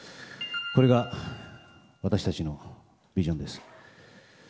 これが私たちのビジョンです。